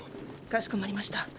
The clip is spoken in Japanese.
かしこまりました。